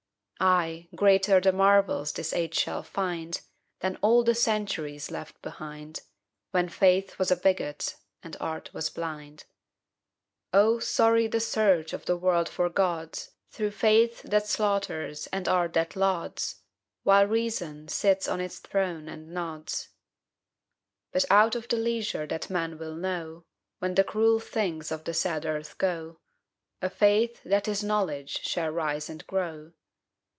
Ay, greater the marvels this age shall find Than all the centuries left behind, When faith was a bigot and art was blind. Oh, sorry the search of the world for gods, Through faith that slaughters and art that lauds, While reason sits on its throne and nods. But out of the leisure that men will know, When the cruel things of the sad earth go, A Faith that is Knowledge shall rise and grow.